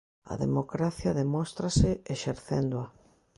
A democracia demóstrase exercéndoa.